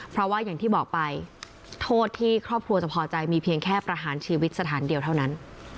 เพราะว่าอย่างที่บอกไปโทษที่ครอบครัวจะพอใจมีเพียงแค่ประหารชีวิตสถานเดียวเท่านั้น